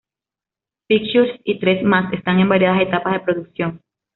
Pictures, y tres más están en variadas etapas de producción.